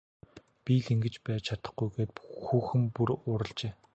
Би л ингэж байж чадахгүй гээд хүүхэн бүр уурлажээ.